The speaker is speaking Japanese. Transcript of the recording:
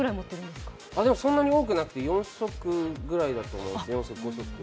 そんなに多くなくて４足くらいだと思います。